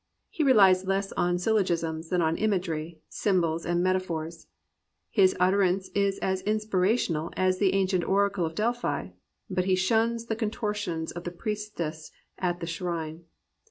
He relies less on syllo gisms than on imagery, symbols, metaphors. His utterance is as inspirational as the ancient oracle of Delphi, but he shuns the contortions of the priestess at that shrine.